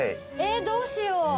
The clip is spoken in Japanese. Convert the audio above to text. えどうしよう。